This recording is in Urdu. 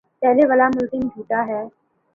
پہلے والا ملازم جھوٹا ہے